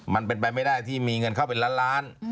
มันเป็นไปไม่ได้ที่มีเงินเข้าไปล้าน